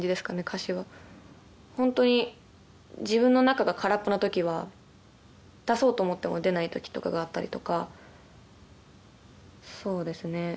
歌詞は本当に自分の中が空っぽな時は出そうと思っても出ない時とかがあったりとかそうですね